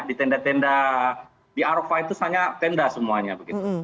di tenda tenda di arofah itu hanya tenda semuanya begitu